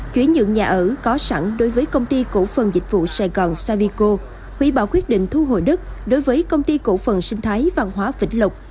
chuyển nhượng nhà ở có sẵn đối với công ty cổ phần dịch vụ sài gòn savico hủy bỏ quyết định thu hồi đất đối với công ty cổ phần sinh thái văn hóa vĩnh lộc